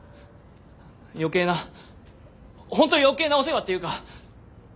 余計なほんと余計なお世話っていうか。